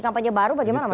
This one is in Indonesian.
kampanye baru bagaimana mas